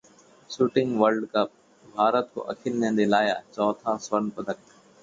shooting world cup: Bharat को अखिल ने दिलाया चौथा स्वर्ण पदक